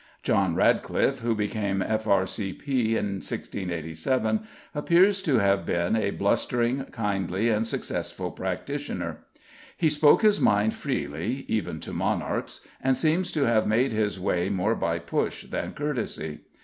=John Radcliffe=, who became F.R.C.P. in 1687, appears to have been a blustering, kindly, and successful practitioner. He spoke his mind freely, even to monarchs, and seems to have made his way more by push than courtesy.